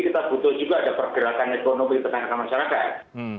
kita butuh juga ada pergerakan ekonomi tentang masyarakat